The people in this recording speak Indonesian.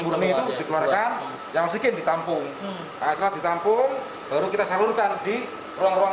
murni itu dikeluarkan yang oksigen ditampung setelah ditampung baru kita salurkan di ruang ruang